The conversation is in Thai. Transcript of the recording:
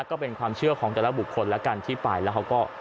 ก็เป็นความเชื่อของแต่ละบุคคลแล้วกันที่ไปแล้วเขาก็